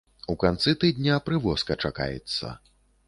У канцы тыдня прывозка чакаецца.